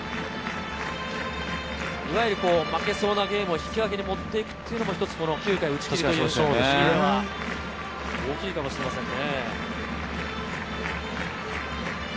負けそうなゲームを引き分けに持っていくっていうのも９回打ち切りっていうのが大きいかもしれませんね。